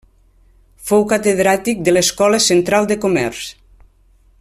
Fou catedràtic de l'Escola Central de Comerç.